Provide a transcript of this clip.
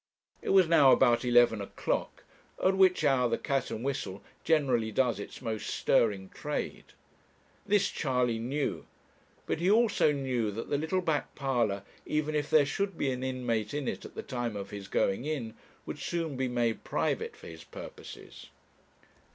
It was now about eleven o'clock, at which hour the 'Cat and Whistle' generally does its most stirring trade. This Charley knew; but he also knew that the little back parlour, even if there should be an inmate in it at the time of his going in, would soon be made private for his purposes.